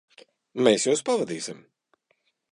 Mēs jūs pavadīsim.